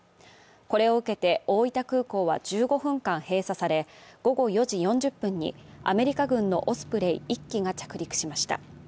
これを受けて大分空港は１５分間閉鎖され、午後４時４０分にアメリカ軍のオスプレイ１機が着陸しました。